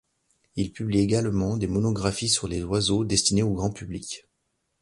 Il publie également des monographies sur les oiseaux destinés au grand public.